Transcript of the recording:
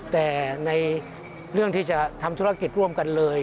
แต่ในเรื่องที่จะทำธุรกิจร่วมกันเลย